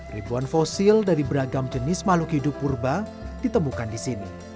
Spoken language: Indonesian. ribuan fosil dari beragam jenis makhluk hidup purba ditemukan di sini